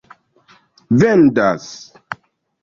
vendas